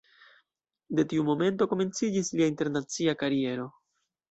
De tiu momento komenciĝis lia internacia kariero.